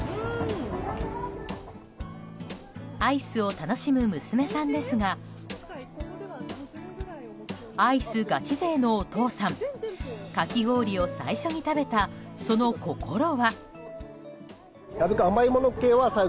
アイスを楽しむ娘さんですがアイスガチ勢のお父さんかき氷を最初に食べたその心は。